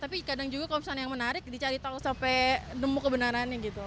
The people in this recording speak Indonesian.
tapi kadang juga kalau misalnya yang menarik dicari tahu sampai nemu kebenarannya gitu